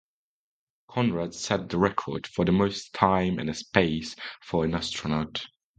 Conrad set the record for most time in space for an astronaut.